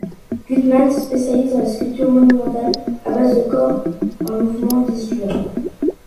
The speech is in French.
Gutmann se spécialise dans les sculptures monumentales à base de corps en mouvement, disjoints.